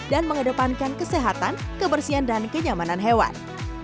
dan mengedepankan kesehatan kebersihan dan kenyamanan hewan